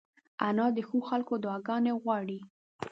انا د ښو خلکو دعاګانې غواړي